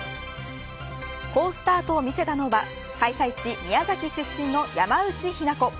好スタートを見せたのは開催地、宮崎出身の山内日菜子。